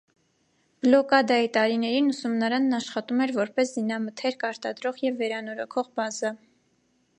Բլոկադայի տարիներին ուսումնարանն աշխատում էր որպես զինամթերք արտադրող և վերանորոգող բազա։